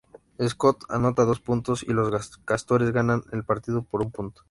Scott anota dos puntos y Los Castores ganan el partido por un punto.